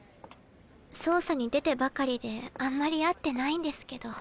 捜査に出てばかりであんまり会ってないんですけど。